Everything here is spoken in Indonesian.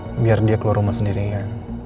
supaya dia bisa keluar rumah sendiri ya